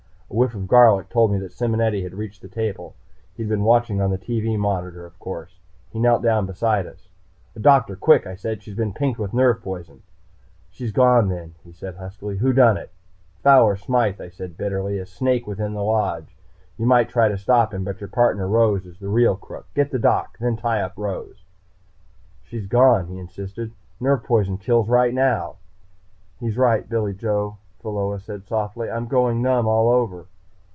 A whiff of garlic told me that Simonetti had reached the table. He'd been watching on the TV monitor, of course. He knelt down beside us. "A doctor, quick," I said. "She's been pinked with nerve poison." "She's gone, then," he said huskily. "Who done it?" "Fowler Smythe," I said bitterly. "A snake within the Lodge. You might try to stop him. But your partner, Rose, is the real crook. Get the doc, then tie up Rose." "She's gone," he insisted. "Nerve poison kills right now." "He's right, Billy Joe," Pheola said softly. "I'm going numb all over."